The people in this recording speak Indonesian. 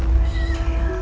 ada aku disini